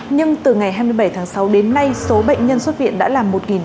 nhưng từ ngày hai mươi bảy tháng sáu đến nay số bệnh nhân xuất viện đã là một bảy trăm một mươi hai